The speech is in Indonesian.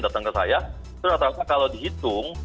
datang ke saya itu rata rata kalau dihitung